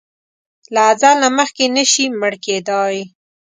له اځل نه مخکې نه شې مړ کیدای!